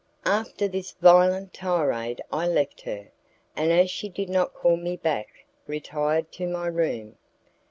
After this violent tirade I left her, and as she did not call me back retired to my room.